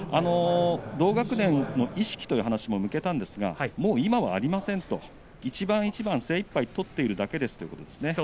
同学年意識という話を向けたんですがもう今はありませんと一番一番精いっぱい取ってるだけです、ということです。